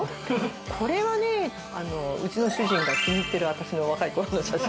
これはうちの主人が気に入ってる私の若い頃の写真。